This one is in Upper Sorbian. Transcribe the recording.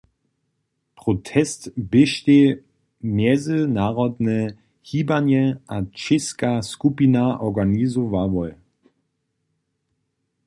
Protest běštej mjezynarodne hibanje a čěska skupina organizowałoj.